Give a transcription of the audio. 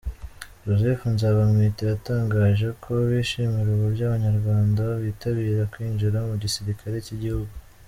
Joseph Nzabamwita yatangaje ko bishimira uburyo Abanyarwanda bitabira kwinjira mu gisirikare cy’igihugu.